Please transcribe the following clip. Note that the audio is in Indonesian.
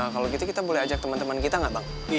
kalau gitu kita boleh ajak teman teman kita nggak bang